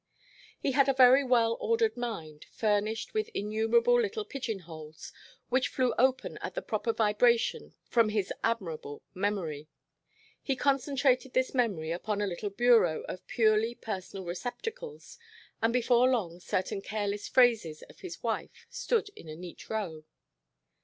He had a very well ordered mind, furnished with innumerable little pigeon holes, which flew open at the proper vibration from his admirable memory. He concentrated this memory upon a little bureau of purely personal receptacles and before long certain careless phrases of his wife stood in a neat row.